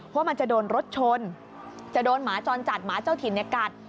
ว่ามันจะโดนรถชนจะโดนหมาจรจัดหมาเจ้าถิ่นกัด